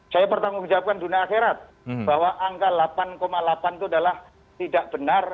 saya pertanggungjawabkan dunia akhirat bahwa angka delapan delapan itu adalah tidak benar